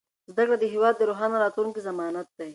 زده کړه د هېواد د روښانه راتلونکي ضمانت دی.